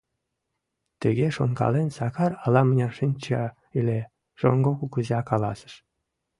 Тыге шонкален, Сакар ала-мыняр шинча ыле — шоҥго кугыза каласыш: